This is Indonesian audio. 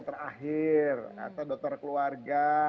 terakhir atau dokter keluarga